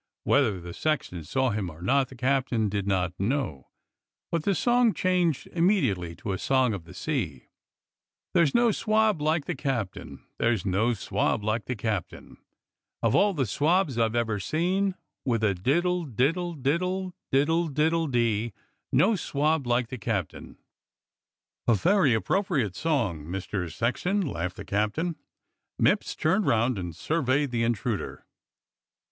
Whether 172 COFFIN MAKER HAS A VISITOR 173 the sexton saw him or not the captain did not know, but the song changed immediately to a song of the sea: There*s no swab Hke the captain, There's no swab Hke the captain. Of all the swabs I've ever seen With a diddle diddle diddle diddle diddle diddle dee No swab like the captain. "A very appropriate song, Master Sexton," laughed the captain. Mipps turned round and surveyed the intruder.